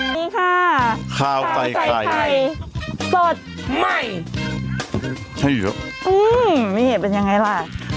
นี่ค่ะข้าวไก่ไข่สดใหม่ให้เยอะอื้อมีเหตุเป็นยังไงล่ะ